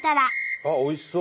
あっおいしそう。